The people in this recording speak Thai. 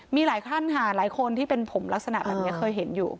มีหลายท่านค่ะหลายคนที่เป็นผมลักษณะแบบนี้เคยเห็นอยู่